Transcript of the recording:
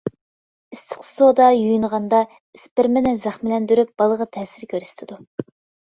ئىسسىق سودا يۇيۇنغاندا، ئىسپېرمىنى زەخىملەندۈرۈپ، بالىغا تەسىر كۆرسىتىدۇ.